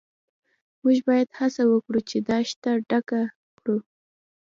موږ باید هڅه وکړو چې دا تشه ډکه کړو